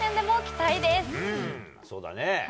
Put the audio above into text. そうだね。